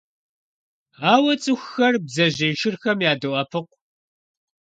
Ауэ цӀыхухэр бдзэжьей шырхэм ядоӀэпыкъу.